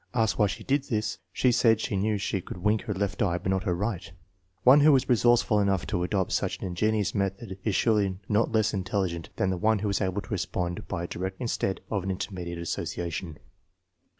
Asked why she did this, she said she knew she could wink her left eye, but not her right! One who is resourceful enough to adopt such an ingenious method is surely not less intelligent than the one who is able to respond by a direct instead of an intermediate association.